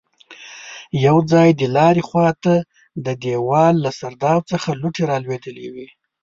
يو ځای د لارې خواته د دېوال له سرداو څخه لوټې رالوېدلې وې.